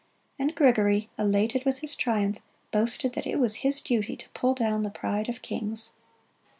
And Gregory, elated with his triumph, boasted that it was his duty to pull down the pride of kings.